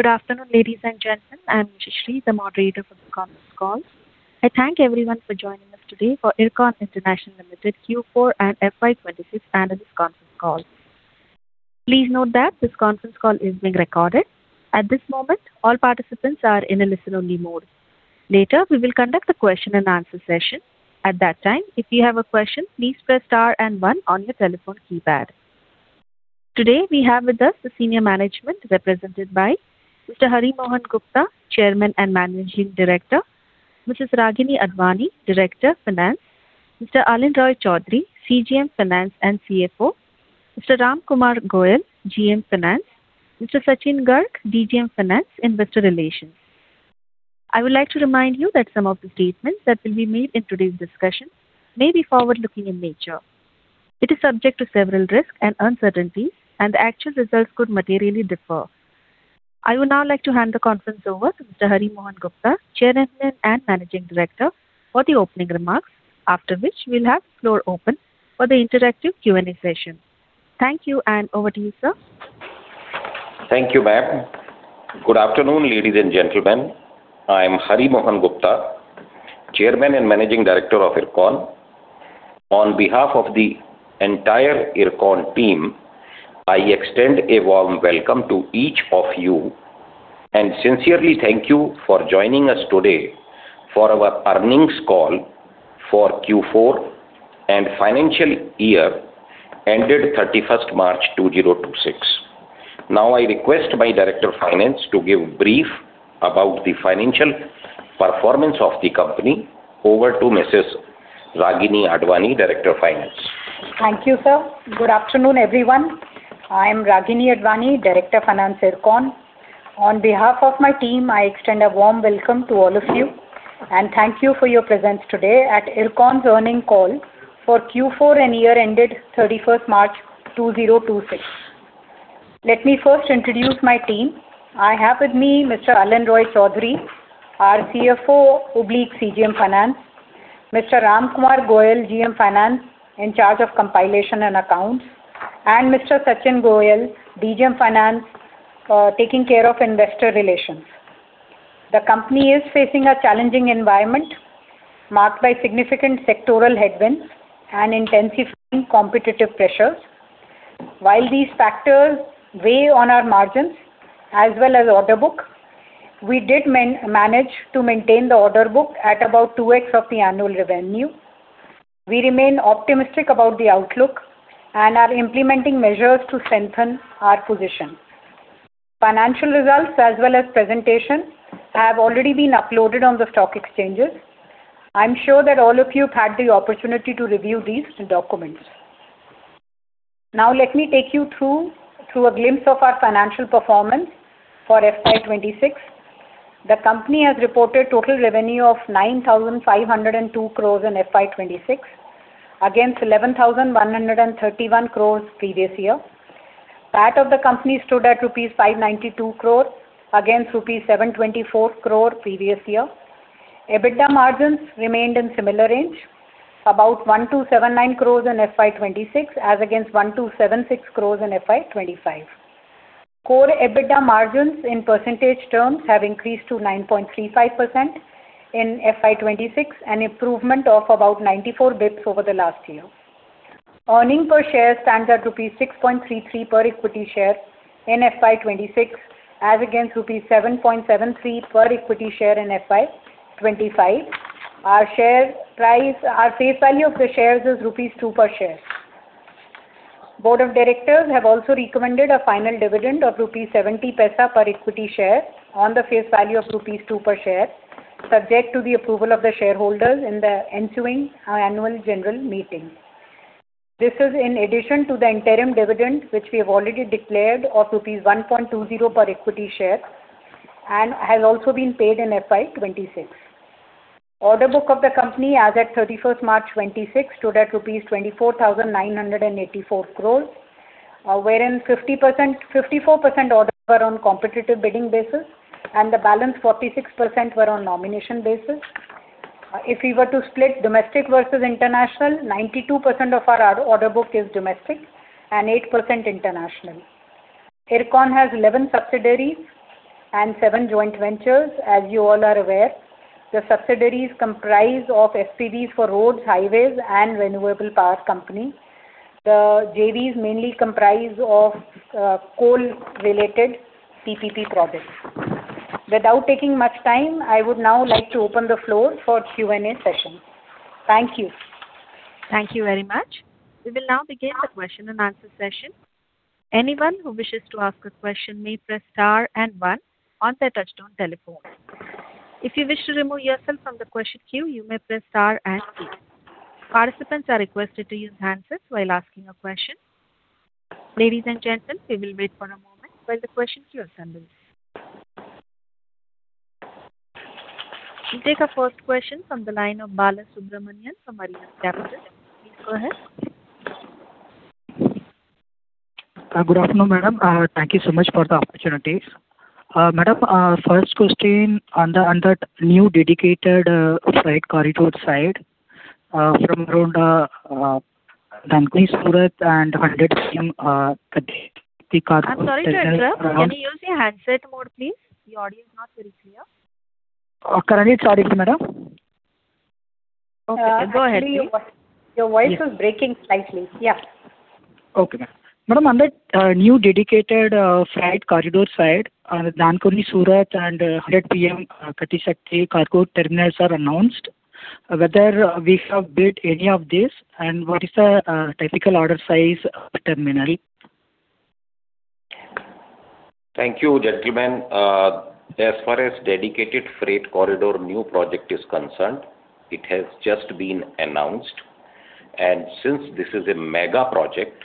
Good afternoon, ladies and gentlemen. I'm Sri, the moderator for the conference call. I thank everyone for joining us today for Ircon International Limited Q4 and FY 2026 annual conference call. Please note that this conference call is being recorded. At this moment, all participants are in a listen-only mode. Later, we will conduct a question-and-answer session. At that time, if you have a question, please press star and one on your telephone keypad. Today, we have with us the senior management represented by Mr. Hari Mohan Gupta, Chairman and Managing Director, Mrs. Ragini Advani, Director, Finance, Mr. Alin Roy Choudhury, CGM Finance and CFO, Mr. Ram Kumar Goyal, GM Finance, Mr. Sachin Garg, DGM Finance, Investor Relations. I would like to remind you that some of the statements that will be made in today's discussion may be forward-looking in nature. It is subject to several risks and uncertainties, and actual results could materially differ. I would now like to hand the conference over to Mr. Hari Mohan Gupta, Chairman and Managing Director, for the opening remarks, after which we'll have the floor open for the interactive Q&A session. Thank you, and over to you, sir. Thank you, ma'am. Good afternoon, ladies and gentlemen. I am Hari Mohan Gupta, Chairman and Managing Director of Ircon. On behalf of the entire Ircon team, I extend a warm welcome to each of you, and sincerely thank you for joining us today for our earnings call for Q4 and financial year ended March 31st, 2026. Now I request my Director of Finance to give a brief about the financial performance of the company. Over to Mrs. Ragini Advani, Director of Finance. Thank you, sir. Good afternoon, everyone. I'm Ragini Advani, Director of Finance, Ircon. On behalf of my team, I extend a warm welcome to all of you, and thank you for your presence today at Ircon's earnings call for Q4 and year ended March 31st, 2026. Let me first introduce my team. I have with me Mr. Alin Roy Choudhury, our CFO, CGM Finance, Mr. Ram Kumar Goyal, GM Finance, in charge of compilation and accounts, and Mr. Sachin Garg, DGM Finance, taking care of investor relations. The company is facing a challenging environment marked by significant sectoral headwinds and intensifying competitive pressures. While these factors weigh on our margins as well as order book, we did manage to maintain the order book at about 2x of the annual revenue. We remain optimistic about the outlook and are implementing measures to strengthen our position. Financial results as well as presentations have already been uploaded on the stock exchanges. I'm sure that all of you have had the opportunity to review these documents. Now let me take you through a glimpse of our financial performance for FY 2026. The company has reported total revenue of 9,502 crore in FY 2026 against 11,131 crore previous year. PAT of the company stood at rupees 592 crore against rupees 724 crore previous year. EBITDA margins remained in similar range, about 1,279 crore in FY 2026 as against 1,276 crore in FY 2025. Core EBITDA margins in percentage terms have increased to 9.35% in FY 2026, an improvement of about 94 basis points over the last year. Earnings per share stands at rupees 6.33 per equity share in FY 2026 as against rupees 7.73 per equity share in FY 2025. Our face value of the shares is rupees 2 per share. Board of directors have also recommended a final dividend of 0.70 per equity share on the face value of rupees 2 per share, subject to the approval of the shareholders in the ensuing annual general meeting. This is in addition to the interim dividend, which we've already declared of rupees 1.20 per equity share and has also been paid in FY 2026. Order book of the company as at March 31st, 2026 stood at rupees 24,984 crores, wherein 54% orders were on competitive bidding basis and the balance 46% were on nomination basis. If we were to split domestic versus international, 92% of our order book is domestic and 8% international. Ircon has 11 subsidiaries and seven joint ventures, as you all are aware. The subsidiaries comprise of SPVs for roads, highways, and renewable power company. The JVs mainly comprise of coal-related CPP projects. Without taking much time, I would now like to open the floor for Q&A session. Thank you. Thank you very much. We will now begin our question-and-answer session. Anyone who wishes to ask a question may press star and one on their touchtone telephone. If you wish to remove yourself from the question queue, you may press star and two. Participants are requested to use answers while asking a question. Ladies and gentlemen, we will wait for a moment while the questions are assembled. We take the first question from the line of Balasubramanian A from Arihant Capital. Please go ahead. Good afternoon, madam. Thank you so much for the opportunity. Madam, first question under new Dedicated Freight Corridor from around Nandurbar. Sorry, sir. Can you use the handset mode, please? The audience are not clear. Currently, sorry, madam. Your voice is breaking slightly. Yeah. Okay. Ma'am, on that new dedicated freight corridor side, Nandurbar-Surat and 100 PM Gati Shakti cargo terminals are announced. Whether we shall build any of this, and what is the typical order size terminal? Thank you, gentlemen. As far as dedicated freight corridor new project is concerned, it has just been announced. Since this is a mega project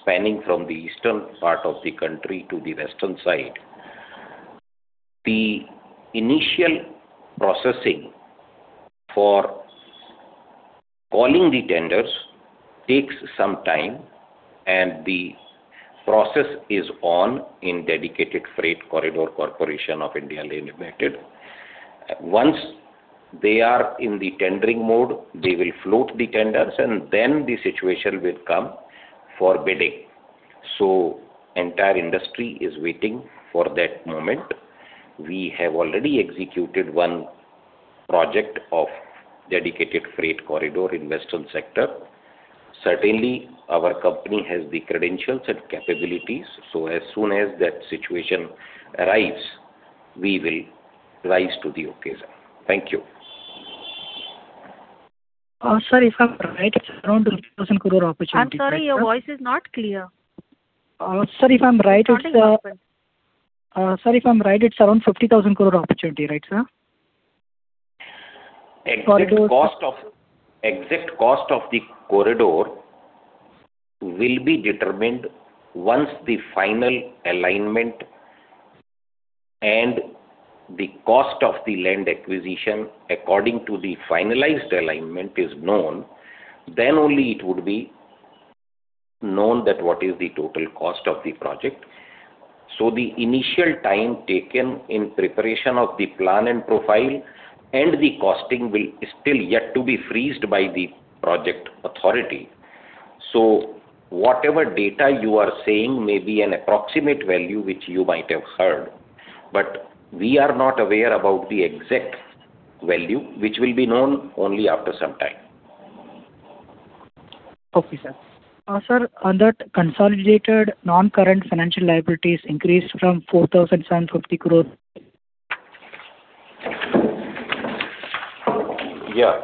spanning from the eastern part of the country to the western side, the initial processing for calling the tenders takes some time, and the process is on in Dedicated Freight Corridor Corporation of India Limited. Once they are in the tendering mode, they will float the tenders, and then the situation will come for bidding. The entire industry is waiting for that moment. We have already executed one project of dedicated freight corridor in western sector. Certainly, our company has the credentials and capabilities, so as soon as that situation arrives, we will rise to the occasion. Thank you. I'm sorry if I'm right, it's around 50,000 crore opportunity, right? I'm sorry. Your voice is not clear. Sorry if I'm right, it's around 50,000 crore opportunity, right, sir? Exact cost of the corridor will be determined once the final alignment and the cost of the land acquisition according to the finalized alignment is known. Only it would be known that what is the total cost of the project. The initial time taken in preparation of the plan and profile and the costing is still yet to be frozen by the project authority. Whatever data you are saying may be an approximate value, which you might have heard. We are not aware about the exact value, which will be known only after some time. Okay, sir. Sir, on that consolidated non-current financial liabilities increased from 4,750 crore. Yeah.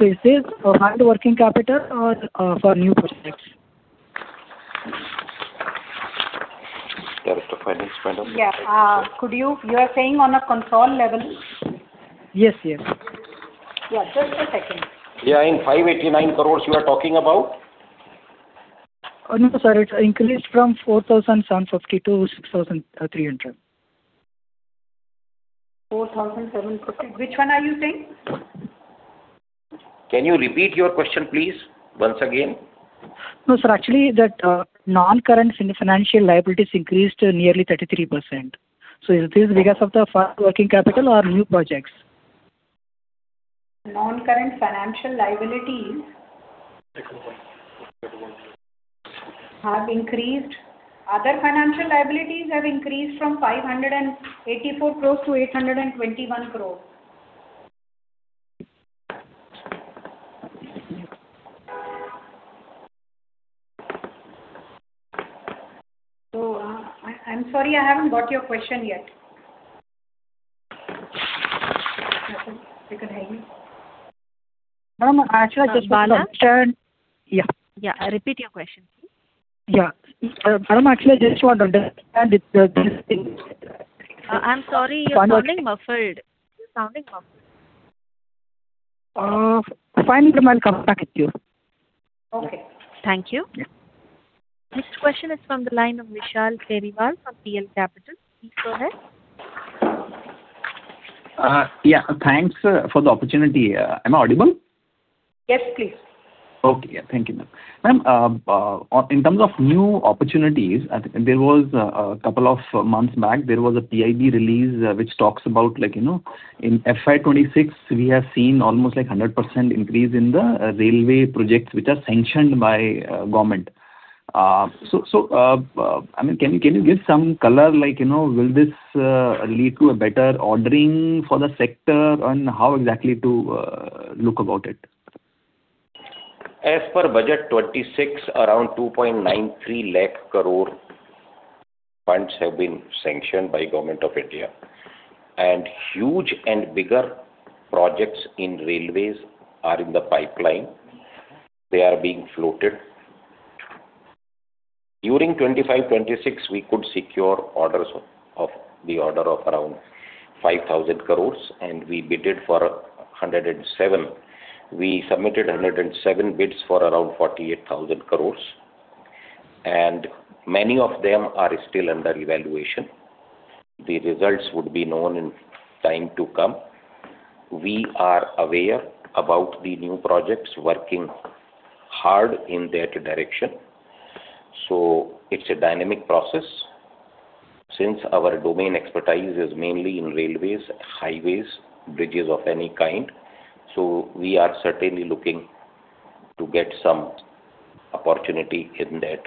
Is this for our working capital or for new projects? Can you talk, madam? Yeah. You are saying on a console level? Yes. Yeah. Just a second. Yeah, in 589 crores you are talking about? No, sir, it increased from 4,750 to 6,300. 4,750. Which one are you saying? Can you repeat your question, please, once again? No, sir. Actually, that non-current financial liabilities increased to nearly 33%. Is this because of the working capital or new projects? Non-current financial liabilities have increased. Other financial liabilities have increased from 584 crores to 821 crore. I'm sorry, I haven't got your question yet. Ircon International. No, ma'am. Yeah. Repeat your question. Yeah. No, ma'am, actually just what the. I'm sorry. You're breaking up a bit. It's sounding up. Finally, ma'am, can I talk with you? Okay. Thank you. Next question is from the line of Vishal Selvaraj from PL Capital. Please go ahead. Yeah. Thanks for the opportunity. Am I audible? Yes, please. Okay. Thank you, Ma'am. Ma'am, in terms of new opportunities, a couple of months back, there was a PIB release which talks about in FY 2026, we have seen almost a 100% increase in the railway projects which are sanctioned by government. Can you give some color, like, will this lead to a better ordering for the sector, and how exactly to look about it? As per budget 2026, around 2.93 lakh crore funds have been sanctioned by Government of India. Huge and bigger projects in railways are in the pipeline. They are being floated. During 2025/2026, we could secure orders of the order of around 5,000 crore, and we bidded for 107. We submitted 107 bids for around 48,000 crore, and many of them are still under evaluation. The results would be known in time to come. We are aware about the new projects, working hard in that direction. It's a dynamic process. Since our domain expertise is mainly in railways, highways, bridges of any kind, so we are certainly looking to get some opportunity in that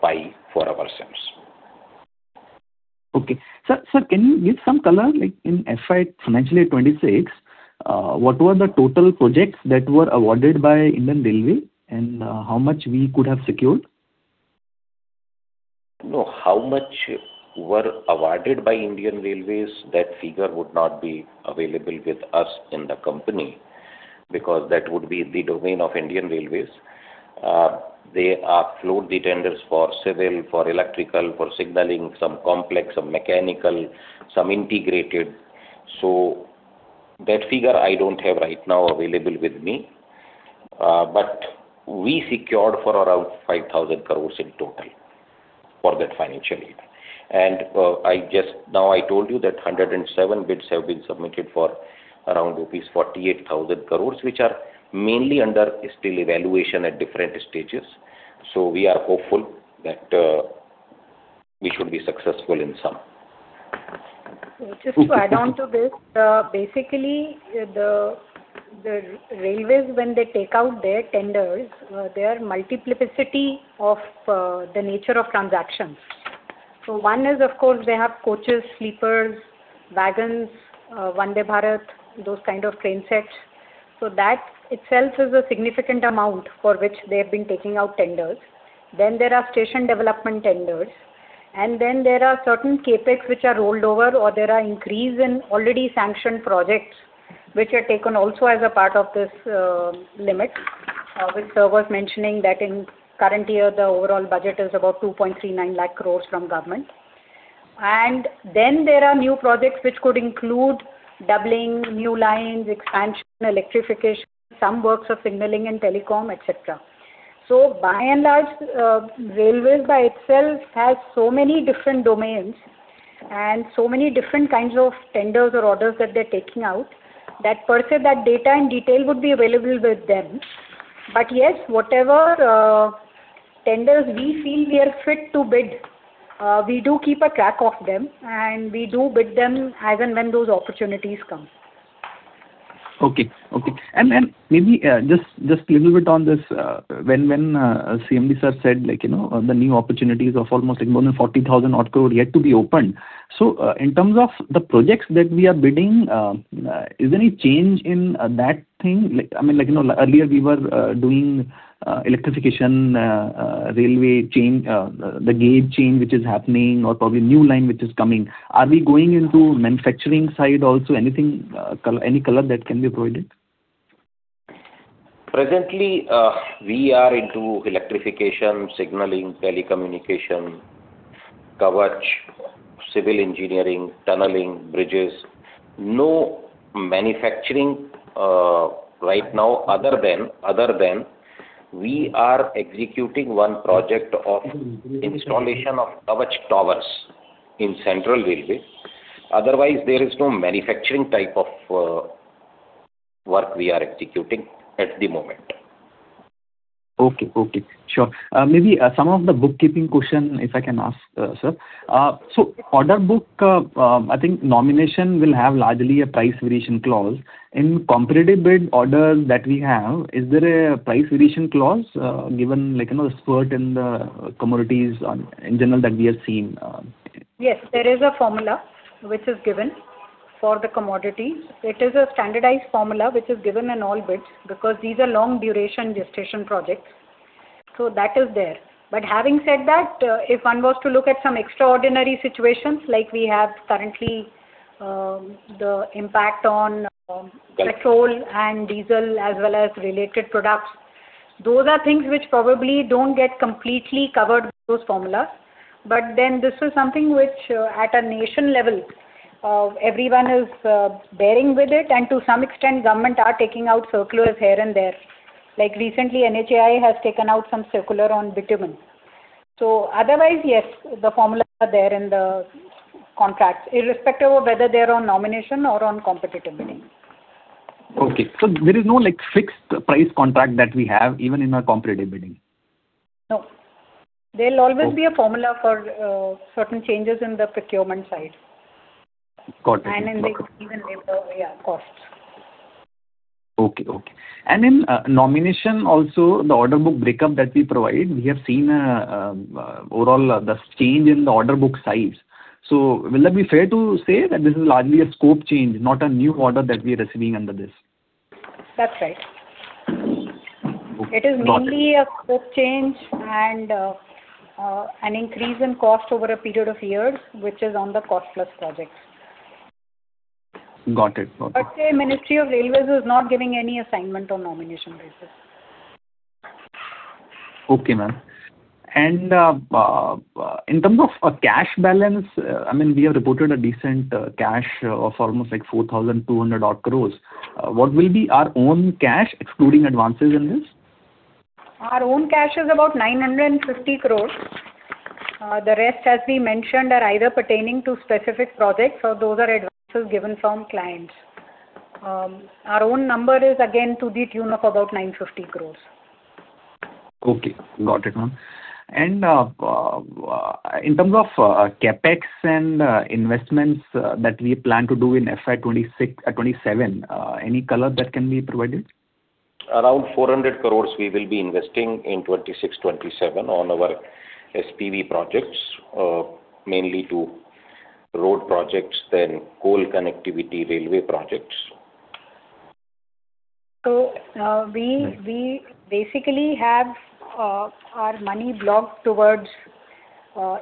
pie for ourselves. Okay. Sir, can you give some color? In financial year 2026, what were the total projects that were awarded by Indian Railways and how much we could have secured? No, how much were awarded by Indian Railways, that figure would not be available with us in the company, because that would be the domain of Indian Railways. They float the tenders for civil, for electrical, for signaling, some complex, some mechanical, some integrated. That figure I don't have right now available with me. We secured for around 5,000 crore in total for that financial year. Now I told you that 107 bids have been submitted for around rupees 48,000 crore, which are mainly under still evaluation at different stages. We are hopeful that we should be successful in some. Just to add on to this, basically, the railways, when they take out their tenders, there are multiplicity of the nature of transactions. One is, of course, they have coaches, sleepers, wagons, Vande Bharat, those kind of train sets. That itself is a significant amount for which they've been taking out tenders. There are station development tenders, and then there are certain CapEx which are rolled over, or there are increase in already sanctioned projects, which are taken also as a part of this limit, which sir was mentioning that in current year, the overall budget is about 2.39 lakh crores from government. There are new projects which could include doubling, new lines, expansion, electrification, some works of signaling and telecom, et cetera. By and large, railways by itself has so many different domains and so many different kinds of tenders or orders that they're taking out. That data in detail would be available with them. Yes, whatever tenders we feel we are fit to bid, we do keep a track of them, and we do bid them as and when those opportunities come. Okay. Maybe just little bit on this, when CMD sir said the new opportunities of almost more than 40,000 odd crore yet to be opened. In terms of the projects that we are bidding, is there any change in that thing? Earlier we were doing electrification, railway gauge change which is happening or probably new line which is coming. Are we going into manufacturing side also? Any color that can be provided? Presently, we are into electrification, signaling, telecommunication, Kavach, civil engineering, tunneling, bridges. No manufacturing right now other than we are executing one project of installation of Kavach towers in Central Railway. Otherwise, there is no manufacturing type of work we are executing at the moment. Okay. Sure. Maybe some of the bookkeeping question, if I can ask, sir. Order book, I think nomination will have largely a price variation clause. In competitive bid orders that we have, is there a price variation clause given spurt in the commodities in general that we have seen? Yes, there is a formula which is given for the commodity. It is a standardized formula which is given in all bids because these are long duration gestation projects. That is there. Having said that, if one was to look at some extraordinary situations, like we have currently the impact on petrol and diesel as well as related products, those are things which probably don't get completely covered with those formulas. Then this is something which at a nation level, everyone is bearing with it, and to some extent, government are taking out circulars here and there. Like recently, NHAI has taken out some circular on bitumen. Otherwise, yes, the formulas are there in the contracts, irrespective of whether they're on nomination or on competitive bidding. Okay. There is no fixed price contract that we have even in our competitive bidding? No. There'll always be a formula for certain changes in the procurement side. Got it. In the increase in labor, yeah, costs. Okay. In nomination also, the order book breakup that we provided, we have seen overall the change in the order book size. Will it be fair to say that this is largely a scope change, not a new order that we are receiving under this? That's right. Okay. Got it. It is mainly a scope change and an increase in cost over a period of years, which is on the cost-plus projects. Got it. Ministry of Railways is not giving any assignment on nomination basis. Okay, ma'am. In terms of cash balance, we have reported a decent cash of almost 4,200 odd crores. What will be our own cash excluding advances in this? Our own cash is about 950 crores. The rest, as we mentioned, are either pertaining to specific projects or those are advances given from clients. Our own number is again to the tune of about 950 crores. Okay, got it, ma'am. In terms of CapEx and investments that we plan to do in FY 2026/2027, any color that can be provided? Around 400 crore we will be investing in FY 2026-2027 on our SPV projects, mainly to road projects then coal connectivity railway projects. We basically have our money blocked towards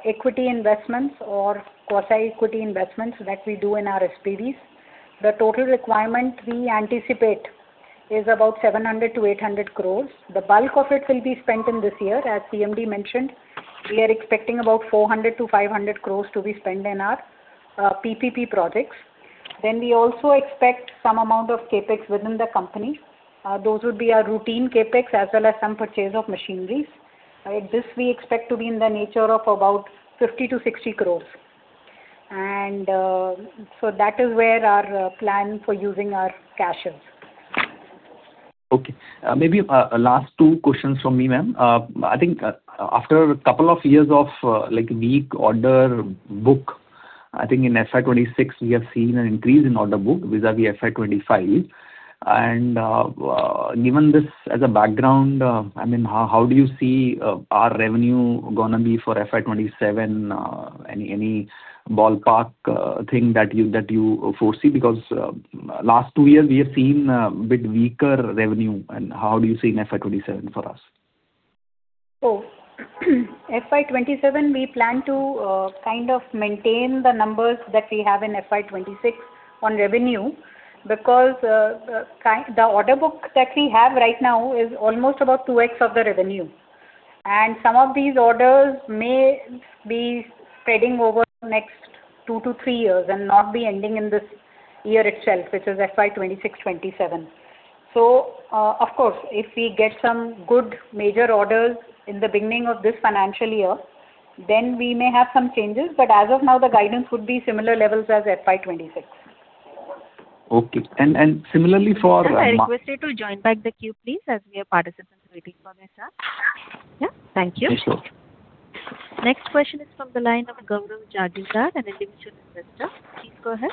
equity investments or quasi-equity investments that we do in our SPVs. The total requirement we anticipate is about 700 crore-800 crore. The bulk of it will be spent in this year. As CMD mentioned, we are expecting about 400 crore-500 crore to be spent in our PPP projects. We also expect some amount of CapEx within the company. Those would be our routine CapEx as well as some purchase of machinery. This we expect to be in the nature of about 50 crore-60 crore. That is where our plan for using our cash is. Okay. Maybe last two questions from me, ma'am. I think after a couple of years of weak order book, I think in FY 2026 we have seen an increase in order book vis-à-vis FY 2025. Given this as a background, how do you see our revenue going to be for FY 2027? Any ballpark thing that you foresee? Last two years we have seen a bit weaker revenue, how do you see FY 2027 for us? FY 2027, we plan to kind of maintain the numbers that we have in FY 2026 on revenue because the order book that we have right now is almost about 2x of the revenue. Some of these orders may be spreading over the next two to three years and not be ending in this year itself, which is FY 2026/2027. Of course, if we get some good major orders in the beginning of this financial year, then we may have some changes, but as of now, the guidance would be similar levels as FY 2026. Okay. Sir, I request you to join back the queue, please, as we have participants waiting for themselves. Ma'am, thank you. Yes, sir. Next question is from the line of Gaurav Jha, Desh Darshan Adventures. Please go ahead.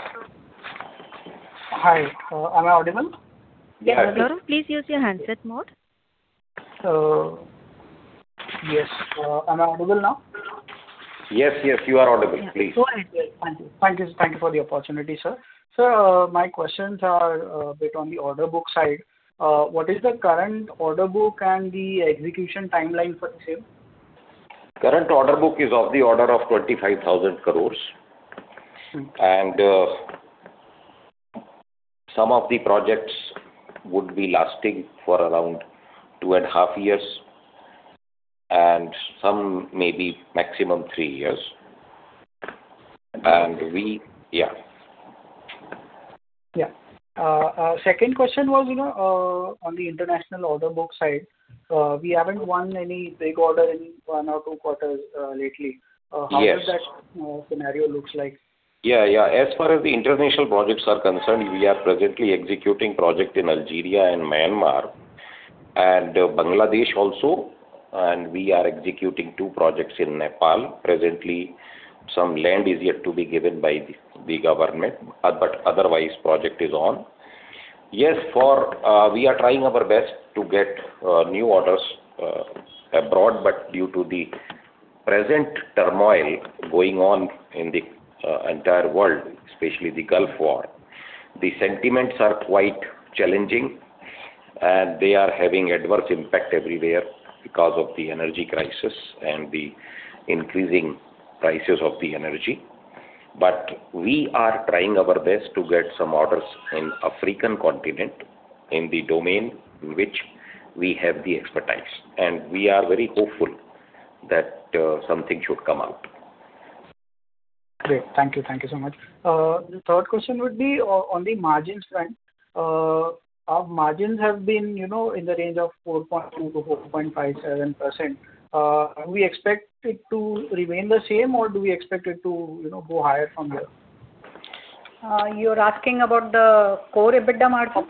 Hi. Am I audible? Yeah. Please use your handset mode. Yes. Am I audible now? Yes, you are audible. Please. Thank you. Thank you for the opportunity, sir. Sir, my questions are a bit on the order book side. What is the current order book and the execution timeline for the same? Current order book is of the order of 25,000 crores. Some of the projects would be lasting for around 2.5 years, and some maybe maximum three years. Yeah. Second question was on the international order book side. We haven't won any big order in one or two quarters lately. Yes. How does that scenario look like? Yeah. As far as the international projects are concerned, we are presently executing project in Algeria and Myanmar, and Bangladesh also, and we are executing two projects in Nepal. Presently, some land is yet to be given by the government, otherwise, project is on. Yes, we are trying our best to get new orders abroad, due to the present turmoil going on in the entire world, especially the Gulf War, the sentiments are quite challenging, and they are having adverse impact everywhere because of the energy crisis and the increasing prices of the energy. We are trying our best to get some orders in African continent in the domain in which we have the expertise, and we are very hopeful that something should come out. Great. Thank you so much. The third question would be on the margins front. Our margins have been in the range of 4.2%-4.57%. Are we expected to remain the same or do we expect it to go higher from here? You're asking about the core EBITDA margins?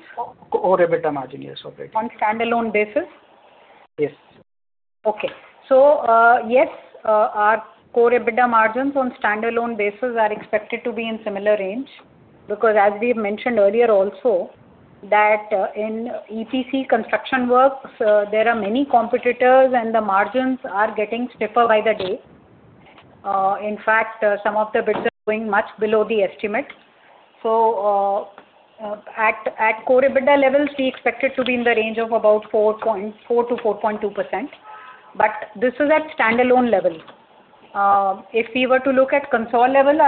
Core EBITDA margins, yes. Okay. On standalone basis? Yes. Yes, our core EBITDA margins on standalone basis are expected to be in similar range because as we mentioned earlier also, that in EPC construction works, there are many competitors and the margins are getting stiffer by the day. In fact, some of the business going much below the estimate. At core EBITDA levels, we expect it to be in the range of about 4%-4.2%, but this is at standalone level. If we were to look at consolidated level,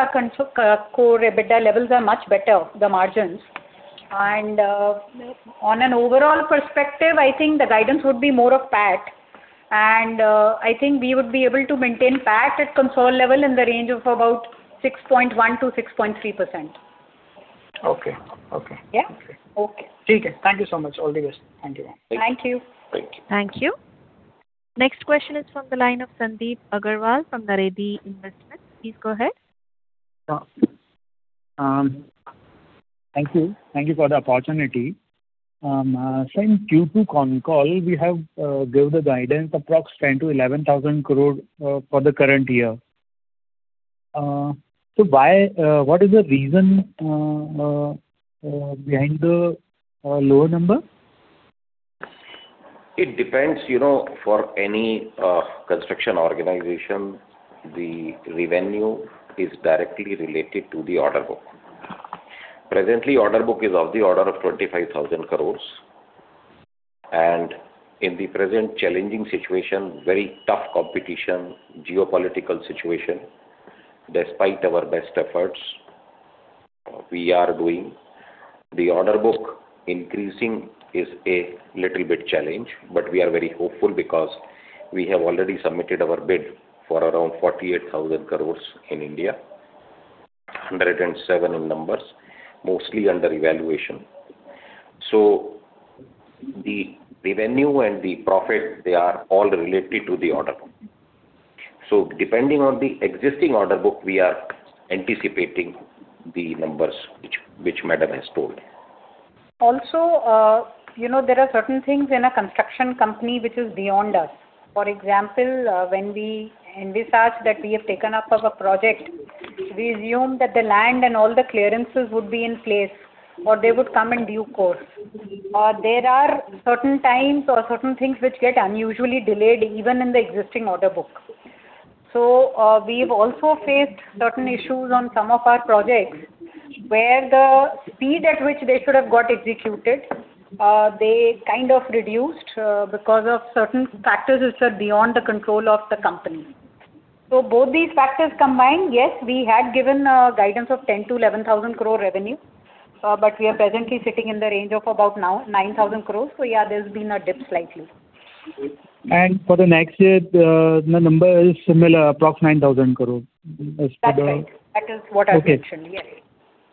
our core EBITDA levels are much better, the margins. On an overall perspective, I think the guidance would be more of PAT, and I think we would be able to maintain PAT at consolidated level in the range of about 6.1%-6.3%. Okay. Yeah. Okay. Thank you so much. All the best. Thank you, ma'am. Thank you. Great. Thank you. Next question is from the line of Sandeep Agarwal from Naredi Investment. Please go ahead. Thank you. Thank you for the opportunity. Ma'am, during Q2 con call, we have given the guidance approx 10,000 crore-11,000 crore for the current year. What is the reason behind the lower number? It depends. For any construction organization, the revenue is directly related to the order book. Presently, order book is of the order of 25,000 crores. In the present challenging situation, very tough competition, geopolitical situation, despite our best efforts we are doing, the order book increasing is a little bit challenged. We are very hopeful because we have already submitted our bid for around 48,000 crores in India, 107 numbers, mostly under evaluation. The revenue and the profit, they are all related to the order book. Depending on the existing order book, we are anticipating the numbers which madam has told. There are certain things in a construction company which is beyond us. For example, in these tasks that we have taken up of a project, we assume that the land and all the clearances would be in place, or they would come in due course. There are certain times or certain things which get unusually delayed even in the existing order book. We've also faced certain issues on some of our projects where the speed at which they should have got executed, they kind of reduced because of certain factors which are beyond the control of the company. Both these factors combined, yes, we had given a guidance of 10,000 crore-11,000 crore revenue, but we are presently sitting in the range of about now 9,000 crore. There's been a dip slightly. Great. For the next year, the number is similar, approx 9,000 crore. That's right. That is what I mentioned. Yes.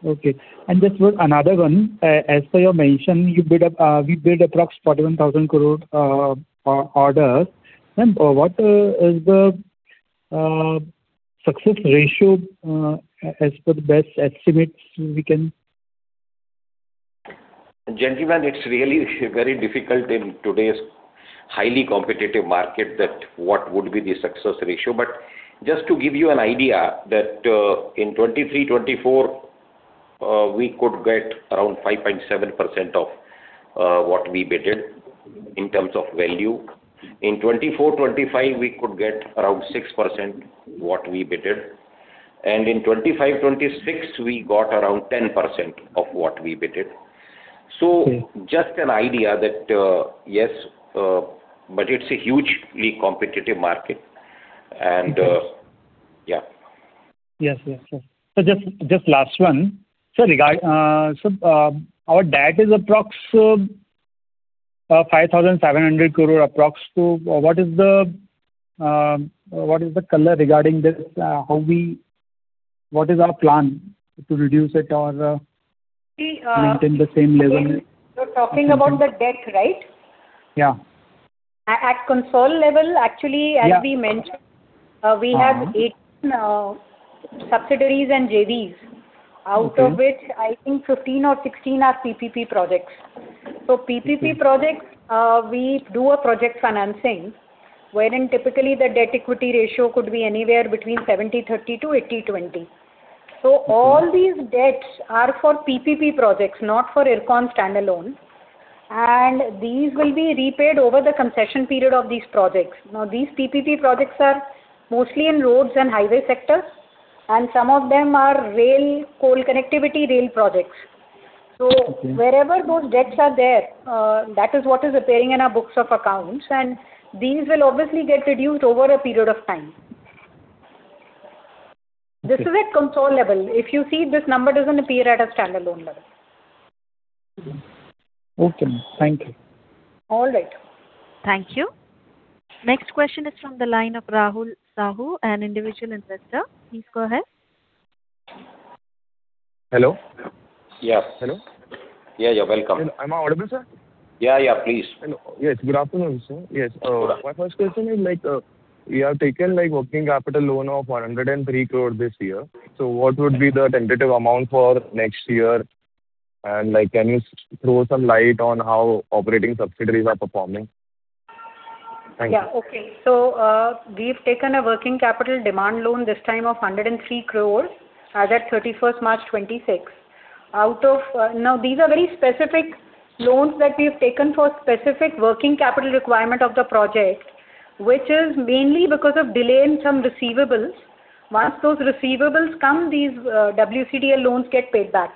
Okay. Just another one. As per your mention, we bid approx 41,000 crore orders. Ma'am, what is the success ratio as per the best estimates we can? Gentleman, it's really very difficult in today's highly competitive market that what would be the success ratio, just to give you an idea that in 2023/2024, we could get around 5.7% of what we bidded in terms of value. In 2024/2025, we could get around 6% what we bidded, in 2025/2026, we got around 10% of what we bidded. Just an idea that, yes, but it's a hugely competitive market. Yes. Yeah. Yes. Just last one. Our debt is approx INR 5,700 crore. What is the color regarding this? What is our plan to reduce it or maintain the same level? You're talking about the debt, right? Yeah. At console level, actually, as we mentioned, we have eight subsidiaries and JVs, out of which I think 15 or 16 are PPP projects. PPP projects, we do a project financing, wherein typically the debt equity ratio could be anywhere between 70/30 to 80/20. All these debts are for PPP projects, not for Ircon standalone. These will be repaid over the concession period of these projects. These PPP projects are mostly in roads and highway sectors, and some of them are rail, coal connectivity rail projects. Okay. Wherever those debts are there, that is what is appearing in our books of accounts, and these will obviously get reduced over a period of time. This is at console level. If you see, this number doesn't appear at a standalone level. Okay, ma'am. Thank you. All right. Thank you. Next question is from the line of [Rahul Sahu], an individual investor. Please go ahead. Hello? Yeah. Hello. Yeah, you're welcome. Am I audible, sir? Yeah, please. Hello. Yes, good afternoon, sir. Yes. My first question is, we have taken working capital loan of 103 crore this year. What would be the tentative amount for next year? Can you throw some light on how operating subsidiaries are performing? Thank you. Okay. We've taken a working capital demand loan this time of 103 crore as at March 31st, 2026. These are very specific loans that we've taken for specific working capital requirement of the project, which is mainly because of delay in some receivables. Once those receivables come, these WCDL loans get paid back.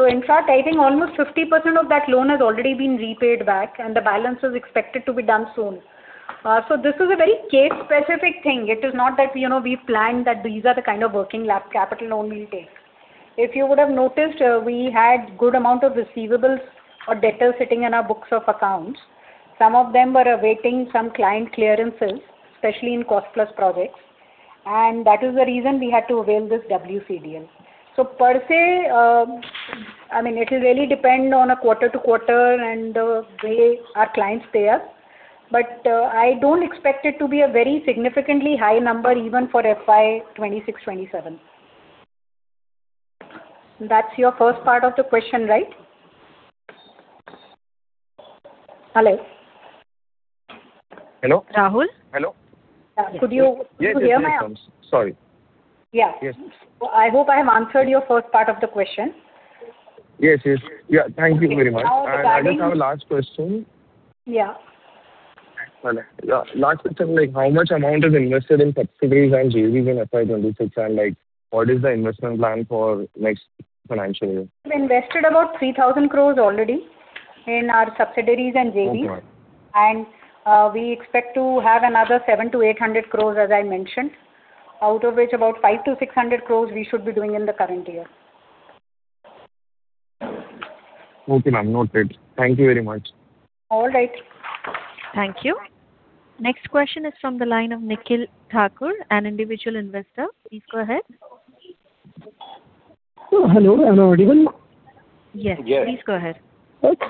In fact, I think almost 50% of that loan has already been repaid back, and the balance is expected to be done soon. This is a very case-specific thing. It is not that we planned that these are the kind of working capital loan we'll take. If you would have noticed, we had good amount of receivables or debtor sitting in our books of accounts. Some of them were awaiting some client clearances, especially in cost-plus projects, and that is the reason we had to avail this WCDL. Per se, it will really depend on a quarter to quarter and the way our clients pay up I don't expect it to be a very significantly high number even for FY 2026/2027. That's your first part of the question, right? Hello? Hello. Rahul? Hello. Could you hear me? Yes, sorry. Yeah. Yes. I hope I've answered your first part of the question. Yes. Thank you very much. I just have a last question. Yeah. Last question, how much amount is invested in subsidiaries and JVs in FY 2026? What is the investment plan for next financial year? Invested about 3,000 crores already in our subsidiaries and JVs. Okay. We expect to have another 700 crore-800 crore, as I mentioned. Out of which about 500 crore-600 crore we should be doing in the current year. Okay, ma'am. Noted. Thank you very much. All right. Thank you. Next question is from the line of [Nikhil Thakur], an individual investor. Please go ahead. Hello, am I audible? Yes, please go ahead.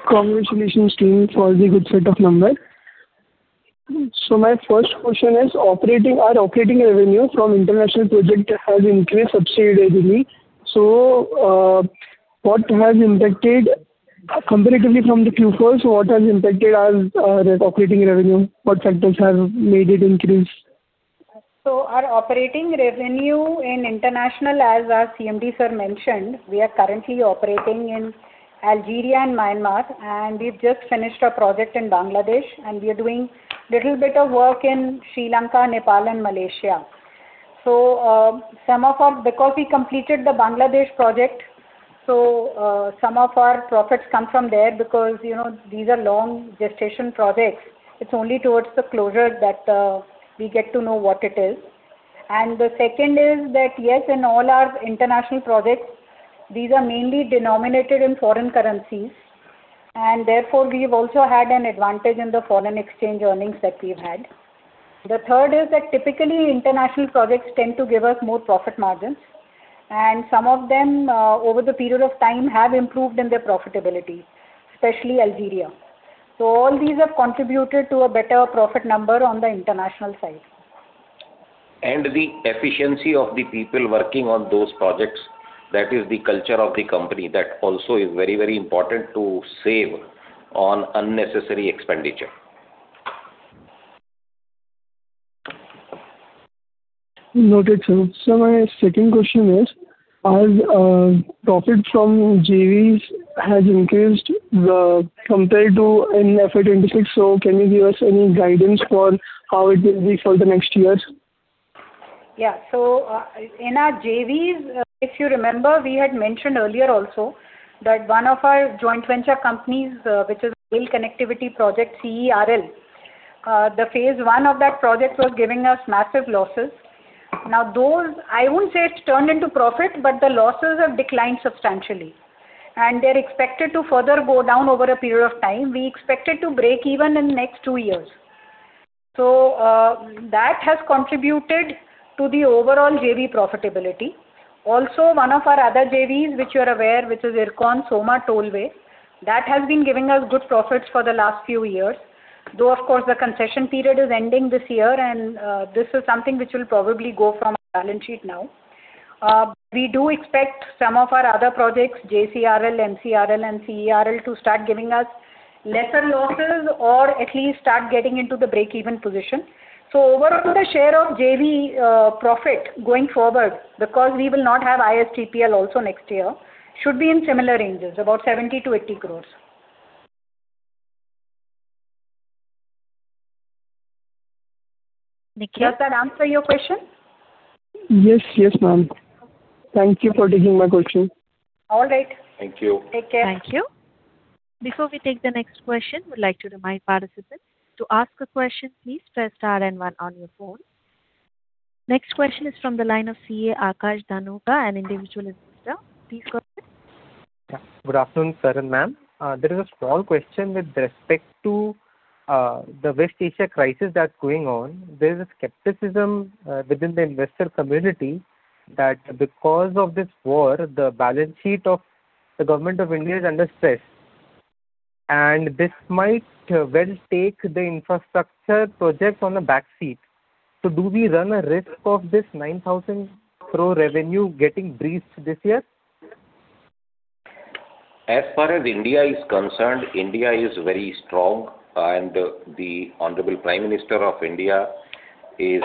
Congratulations to you for the good set of numbers. My first question is our operating revenue from international project has increased substantially. Comparatively from the Q4, what has impacted our operating revenue? What factors have made it increase? Our operating revenue in international as our CMD sir mentioned, we are currently operating in Algeria and Myanmar, and we've just finished a project in Bangladesh, and we are doing little bit of work in Sri Lanka, Nepal, and Malaysia. Because we completed the Bangladesh project, so some of our profits come from there because these are long gestation projects. It's only towards the closure that we get to know what it is. The second is that, yes, in all our international projects, these are mainly denominated in foreign currencies, and therefore, we've also had an advantage in the foreign exchange earnings that we've had. The third is that typically international projects tend to give us more profit margins, and some of them, over the period of time, have improved in their profitability, especially Algeria. All these have contributed to a better profit number on the international side. The efficiency of the people working on those projects, that is the culture of the company. That also is very important to save on unnecessary expenditure. Noted. My second question is, as profit from JVs has increased compared to in FY 2026, can you give us any guidance for how it will be for the next years? Yeah. In our JVs, if you remember, we had mentioned earlier also that one of our joint venture companies, which is Rail Connectivity Project CERL. The phase I of that project was giving us massive losses. I won't say it's turned into profit, but the losses have declined substantially, and they're expected to further go down over a period of time. We expect it to break even in next two years. That has contributed to the overall JV profitability. One of our other JVs which you're aware, which is Ircon Soma Tollway, that has been giving us good profits for the last few years. Of course, the concession period is ending this year, and this is something which will probably go from our balance sheet now. We do expect some of our other projects, JCRL, NCRL, and CERL, to start giving us lesser losses or at least start getting into the break-even position. Overall, the share of JV profit going forward, because we will not have ISTPL also next year, should be in similar ranges, about 70 crores-80 crores. Nikhil, does that answer your question? Yes, ma'am. Thank you for taking my question. All right. Thank you. Take care. Thank you. Before we take the next question, we'd like to remind participants, to ask a question, please press star and one on your phone. Next question is from the line of [CA Akash Dhanuka], an individual investor. Please go ahead. Good afternoon, sir and ma'am. There is a small question with respect to the West Asia crisis that's going on. There's a skepticism within the investor community that because of this war, the balance sheet of the Government of India is under stress, and this might well take the infrastructure projects on the back seat. Do we run a risk of this 9,000 crore revenue getting breached this year? As far as India is concerned, India is very strong. The honorable Prime Minister of India is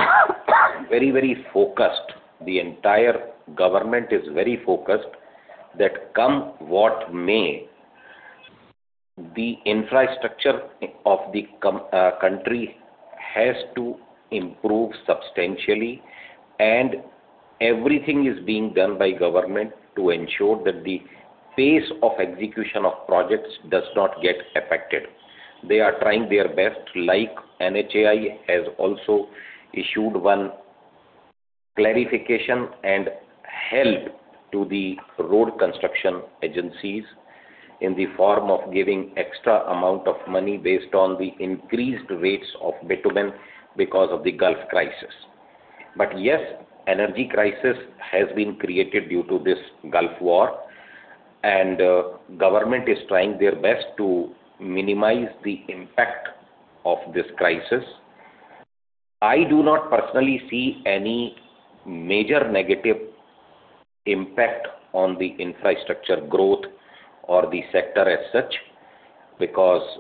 very focused. The entire government is very focused that come what may, the infrastructure of the country has to improve substantially. Everything is being done by government to ensure that the pace of execution of projects does not get affected. They are trying their best, like Nhai has also issued one clarification and help to the road construction agencies in the form of giving extra amount of money based on the increased rates of bitumen because of the Gulf crisis. Yes, energy crisis has been created due to this Gulf War. Government is trying their best to minimize the impact of this crisis. I do not personally see any major negative impact on the infrastructure growth or the sector as such, because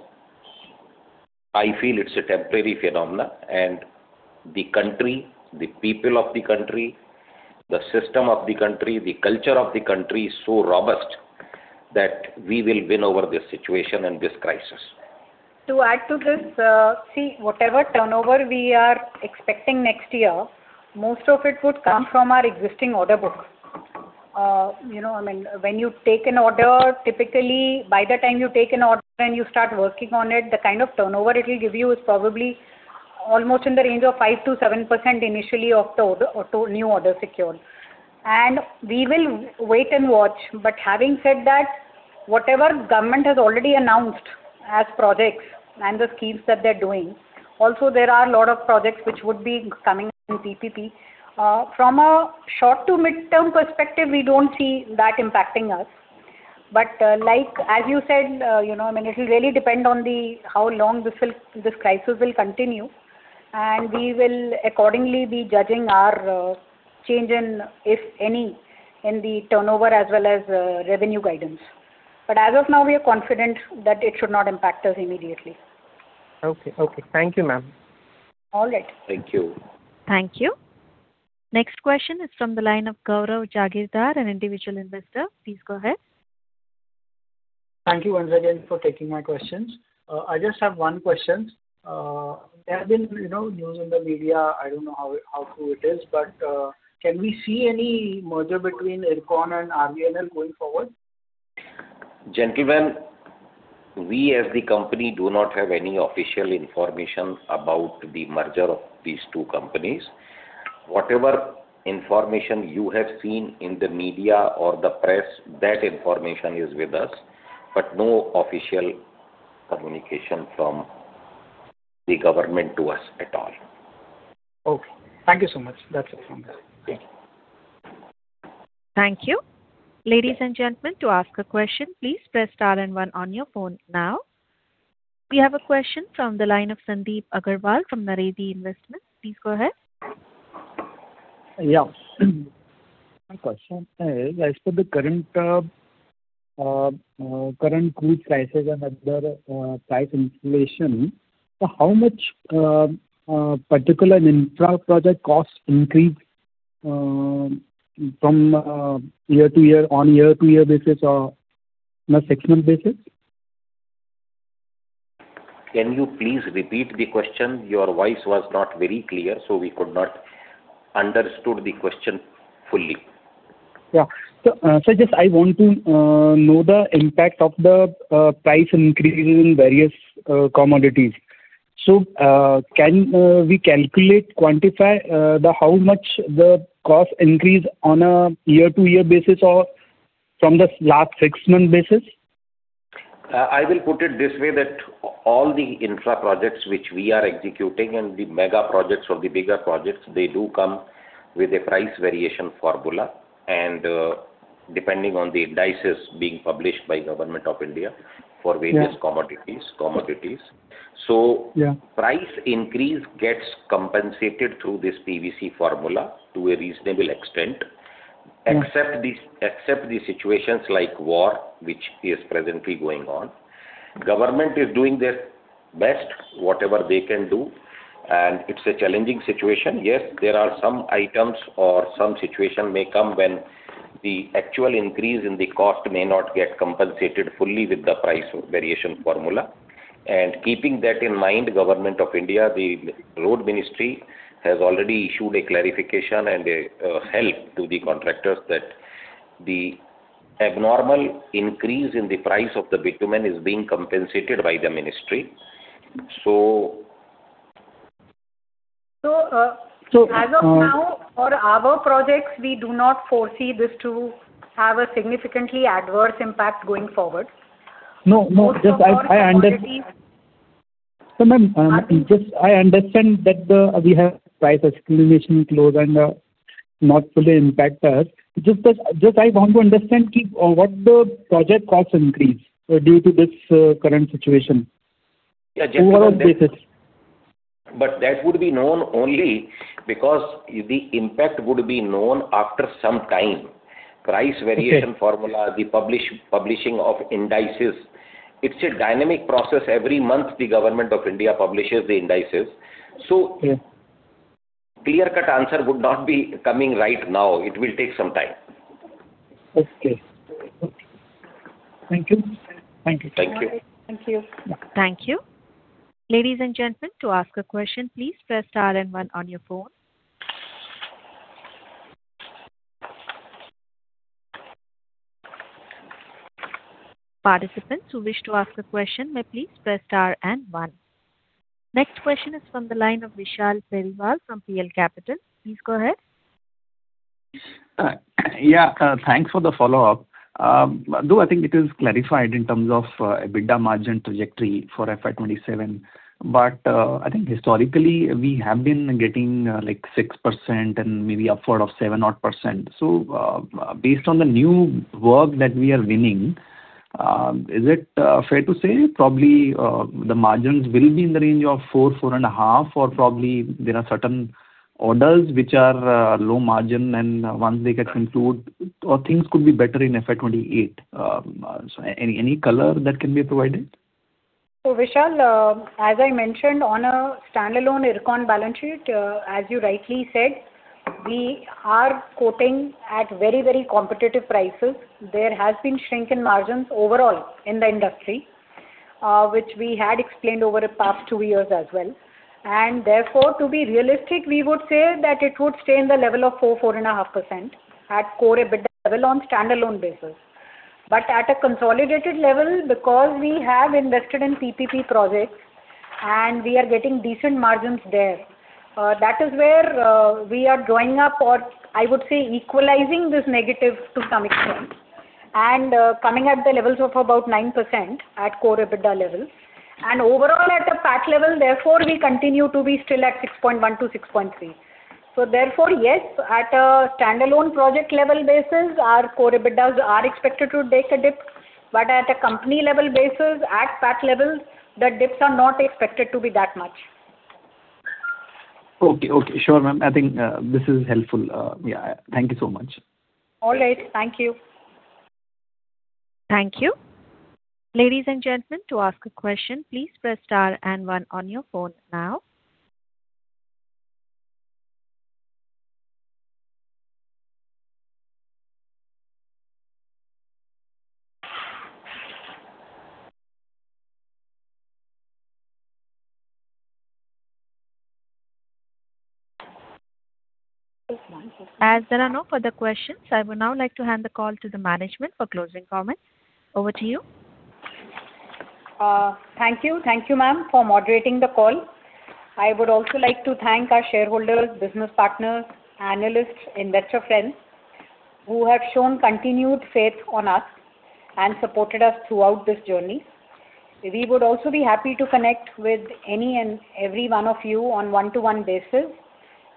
I feel it is a temporary phenomenon and the country, the people of the country, the system of the country, the culture of the country is so robust that we will win over this situation and this crisis. To add to this, see, whatever turnover we are expecting next year, most of it would come from our existing order books. When you take an order, typically, by the time you take an order and you start working on it, the kind of turnover it will give you is probably almost in the range of 5%-7% initially of the new order secured. We will wait and watch. Having said that, whatever government has already announced as projects and the schemes that they're doing, also, there are a lot of projects which would be coming from PPP. From a short to midterm perspective, we don't see that impacting us. As you said, it will really depend on how long this crisis will continue, and we will accordingly be judging our change, if any, in the turnover as well as revenue guidance. As of now, we are confident that it should not impact us immediately. Okay. Thank you, ma'am. All right. Thank you. Thank you. Next question is from the line of [Gaurav Jagirdar], an individual investor. Please go ahead. Thank you once again for taking my questions. I just have one question. There have been news in the media, I don't know how true it is, but can we see any merger between Ircon and RVNL going forward? Gentlemen, we as the company do not have any official information about the merger of these two companies. Whatever information you have seen in the media or the press, that information is with us, but no official communication from the government to us at all. Okay. Thank you so much. That's all from my side. Thank you. Ladies and gentlemen to ask a question please press star and one on your phone now. We have a question from the line of Sandeep Agarwal from Naredi Investment. Please go ahead. Yeah. My question is, as for the current crude prices and other type inflation, how much particular infra project cost increase from on year to year basis or six-month basis? Can you please repeat the question? Your voice was not very clear, so we could not understand the question fully. Yeah. Just I want to know the impact of the price increase in various commodities. Can we calculate, quantify how much the cost increase on a year-to-year basis or from the last six-month basis? I will put it this way that all the infra projects which we are executing and the mega projects or the bigger projects, they do come with a price variation formula and depending on the indices being published by Government of India for various commodities. Yeah. Price increase gets compensated through this PVC formula to a reasonable extent, except the situations like war, which is presently going on. Government is doing their best, whatever they can do, and it's a challenging situation. Yes, there are some items or some situation may come when the actual increase in the cost may not get compensated fully with the price variation formula. Keeping that in mind, Government of India, the Road Ministry, has already issued a clarification and a help to the contractors that the abnormal increase in the price of the bitumen is being compensated by the ministry. As of now, for our projects, we do not foresee this to have a significantly adverse impact going forward. No, just I understand. Ma'am, just I understand that we have price escalation clause and not fully impact us. Just that I want to understand what the project cost increase due to this current situation, year-on-year basis. That would be known only because the impact would be known after some time. Price variation formula, the publishing of indices. It's a dynamic process. Every month, the Government of India publishes the indices. Yeah. Clear cut answer would not be coming right now. It will take some time. Okay. Thank you. Thank you. Thank you. Ladies and gentlemen to ask a question please press star and one on your phone. Participants who wish to ask a question may press star and one.. Next question is from the line of Vishal Selvaraj from PL Capital. Please go ahead. Yeah. Thanks for the follow-up. Though I think it is clarified in terms of EBITDA margin trajectory for FY 2027, I think historically we have been getting 6% and maybe upward of 7%. Based on the new work that we are winning, is it fair to say probably the margins will be in the range of 4%, 4.5%, or probably there are certain orders which are low margin, and once they get concluded, things could be better in FY 2028? Any color that can be provided? Vishal, as I mentioned on a standalone Ircon balance sheet, as you rightly said, we are quoting at very competitive prices. There has been a shrink in margins overall in the industry, which we had explained over the past two years as well. Therefore, to be realistic, we would say that it would stay in the level of 4%, 4.5% at core EBITDA level on a standalone basis. At a consolidated level, because we have invested in PPP projects and we are getting decent margins there, that is where we are joining up or I would say equalizing this negative to some extent and coming at the levels of about 9% at core EBITDA levels. Overall at the PAT level, therefore, we continue to be still at 6.1%-6.3%. Therefore, yes, at a standalone project level basis, our core EBITDAs are expected to face a dip, but at a company level basis, at PAT levels, the dips are not expected to be that much. Okay. Sure, ma'am. I think this is helpful. Thank you so much. All right. Thank you. Thank you. Ladies and gentlemen to ask a question please press star and one on your phone now. As there are no further questions, I would now like to hand the call to the management for closing comments. Over to you. Thank you, ma'am, for moderating the call. I would also like to thank our shareholders, business partners, analysts, investor friends, who have shown continued faith in us and supported us throughout this journey. We would also be happy to connect with any and every one of you on a one-to-one basis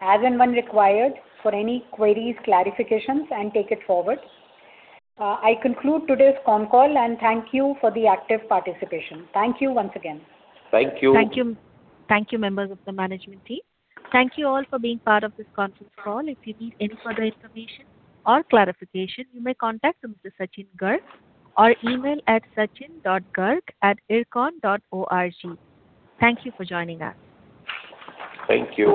as and when required for any queries, clarifications, and take it forward. I conclude today's call and thank you for the active participation. Thank you once again. Thank you. Thank you, members of the management team. Thank you all for being part of this conference call. If you need any further information or clarification, you may contact Mr. Sachin Garg or email at sachin.garg@ircon.org. Thank you for joining us. Thank you.